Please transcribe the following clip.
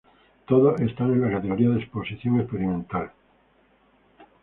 Todos están en la categoría de exposición experimental.